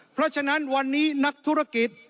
เพราะฉะนั้นวันนี้นักธุรกิจ